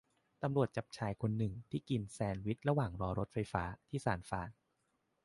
ตำรวจจับชายคนหนึ่งที่กินแชนด์วิชระหว่างรอรถไฟฟ้าที่ซานฟราน